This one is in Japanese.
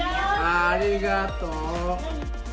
ありがとう。